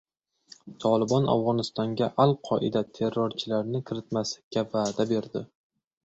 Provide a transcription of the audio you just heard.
"Tolibon" Afg‘onistonga "Al-Qoida" terrorchilarini kiritmaslikka va’da berdi